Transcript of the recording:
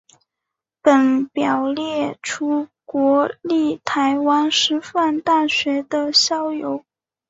本表列出国立台湾师范大学的校友。